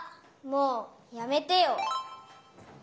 もうやめてよ。